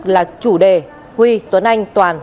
là chủ đề huy tuấn anh toàn